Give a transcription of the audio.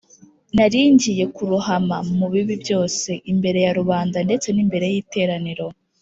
nari ngiye kurohama mu bibi byose, imbere ya rubanda ndetse n’imbere y’iteraniro”